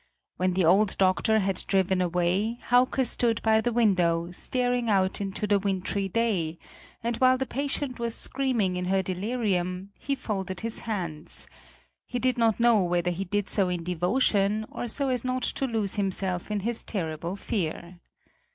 When the old doctor had driven away, Hauke stood by the window, staring out into the wintry day, and while the patient was screaming in her delirium, he folded his hands he did not know whether he did so in devotion or so as not to lose himself in his terrible fear.